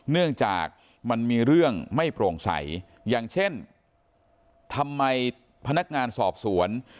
เนื่องจากมันมีเรื่องไม่โปร่งใสอย่างเช่นทำไมพนักงานสอบสวน